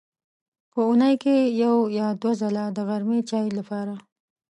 په اوونۍ کې یو یا دوه ځله د غرمې چای لپاره.